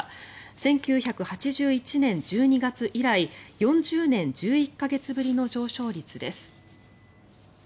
１９８１年１２月以来４０年１１か月ぶりの上昇率です。